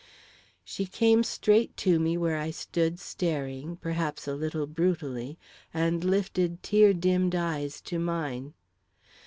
She came straight to me where I stood staring, perhaps a little brutally, and lifted tear dimmed eyes to mine.